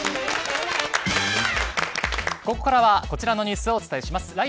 ここからはこちらのニュースをお伝えします。